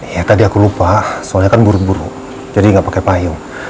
ya tadi aku lupa soalnya kan buru buru jadi nggak pakai payung